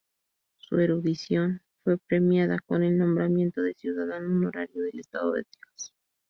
Su erudición fue premiada con el nombramiento de Ciudadano Honorario del Estado de Texas.